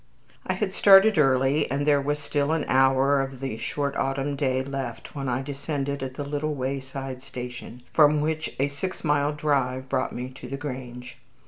I had started early, and there was still an hour of the short autumn day left when I descended at the little wayside station, from which a six mile drive brought me to the Grange.